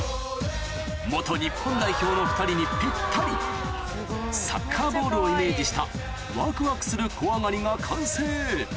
日本代表の２人にぴったりサッカーボールをイメージしたわくわくする小上がりが完成